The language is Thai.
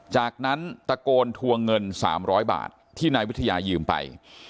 จากนั้นตะโกนทวงเงิน๓๐๐บาทที่นายวิทยายืมไป